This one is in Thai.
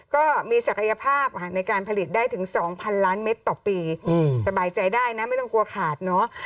ก็มีศักยภาพในการผลิตได้ถึง๒๐๐ล้านเมตรต่อปีสบายใจได้นะไม่ต้องกลัวขาดเนอะ